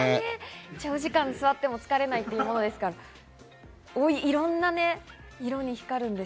長時間座っても、疲れないというものですから、いろんな色に光るんです。